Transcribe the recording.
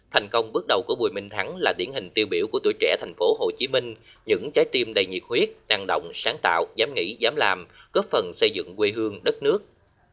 thành công bước đầu của bùi minh thắng là điển hình tiêu biểu của tuổi trẻ thành phố hồ chí minh những trái tim đầy nhiệt huyết năng động sáng tạo dám nghĩ dám làm cấp phần xây dựng quê hương đất nước